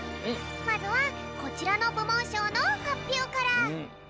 まずはこちらのぶもんしょうのはっぴょうから。